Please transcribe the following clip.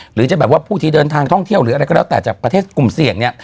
หรือจะแบบว่าผู้ที่เดินทางท่องเที่ยวหรืออะไรก็แล้วแต่จากประเทศกลุ่มเสี่ยงเนี่ย